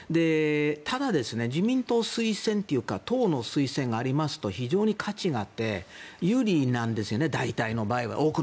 ただ、自民党推薦というか党の推薦がありますと非常に価値があって有利になるんですよね多くの場合は。